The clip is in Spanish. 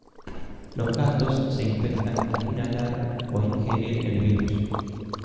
Los gatos se infectan al inhalar o ingerir el virus.